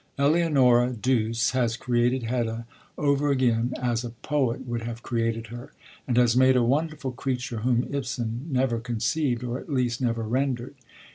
Eleonora Duse has created Hedda over again, as a poet would have created her, and has made a wonderful creature whom Ibsen never conceived, or at least never rendered.